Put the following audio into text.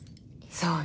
そうね。